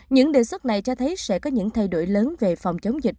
những đề xuất này cho thấy sẽ có những thay đổi lớn về phòng chống dịch